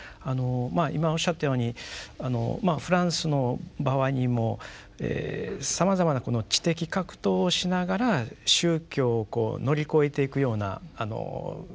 今おっしゃったようにフランスの場合にもさまざまなこの知的格闘をしながら宗教をこう乗り越えていくような運動みたいなものがですね